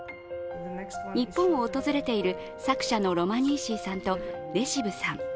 日本を訪れている作者のロマニーシンさんとレシヴさん。